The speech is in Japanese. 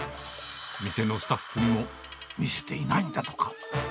店のスタッフにも見せていないんだとか。